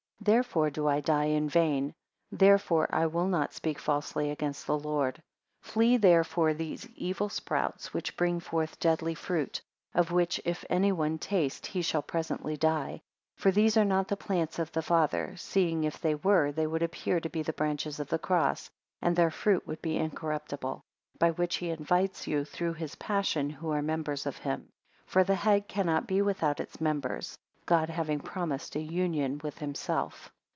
Therefore do I die in vain: therefore I will not speak falsely against the Lord. 14 Flee therefore these evil sprouts which bring forth deadly fruit; of which if any one taste, he shall presently die. 15 For these are not the plants of the Father; seeing if they were, they would appear to be the branches of the cross, and their fruit would be incorruptible; by which he invites you through his passion, who are members of him. 16 For the head cannot be without its members, God having promised a union with himself.